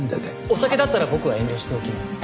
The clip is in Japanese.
お酒だったら僕は遠慮しておきます。